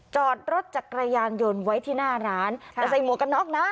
จอดรถจักรยานยนต์ไว้ที่หน้าร้านแต่ใส่หมวกกันน็อกนะ